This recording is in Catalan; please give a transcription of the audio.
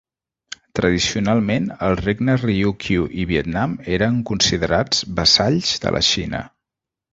Tradicionalment el regne Ryūkyū i Vietnam eren considerats vassalls de la Xina.